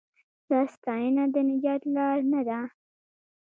دا ستاینه د نجات لار نه ده.